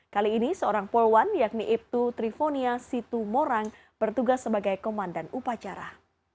kali ini seorang polwan yakni ibtu trifonia situmorang bertugas sebagai komandan upacara